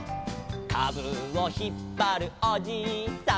「かぶをひっぱるおじいさん」